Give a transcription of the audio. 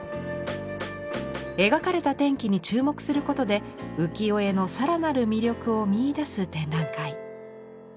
描かれた天気に注目することで浮世絵の更なる魅力を見いだす展覧会。